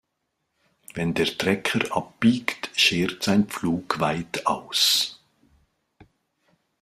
Wenn der Trecker abbiegt, schert sein Pflug weit aus.